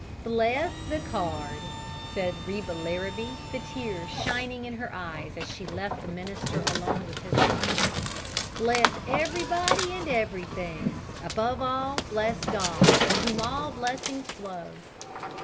"Bless the card!" said Reba Larrabee, the tears shining in her eyes as she left the minister alone with his son. "Bless everybody and everything! Above all, bless God, 'from whom all blessings flow.'"